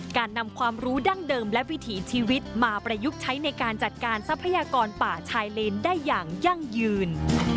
การนำความรู้ดั้งเดิมและวิถีชีวิตมาประยุกต์ใช้ในการจัดการทรัพยากรป่าชายเลนได้อย่างยั่งยืน